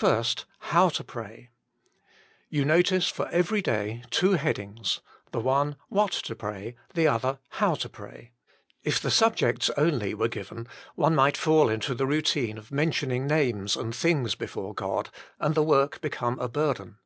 1. How to Pray. You notice for every day two headings the one What to Pray ; the other, How to Pray. If the subjects were only given, one might fall into the routine of mentioning names and things before GoJ, and the work become a burden.